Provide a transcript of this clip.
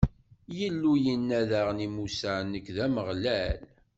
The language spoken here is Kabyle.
Illu yenna daɣen i Musa: Nekk, d Ameɣlal.